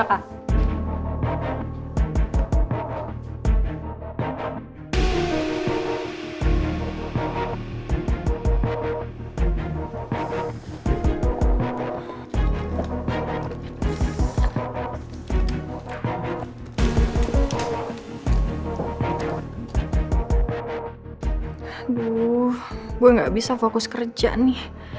aduh gue gak bisa fokus kerja nih